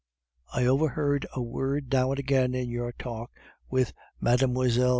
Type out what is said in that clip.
"I overheard a word now and again in your talk with Mlle.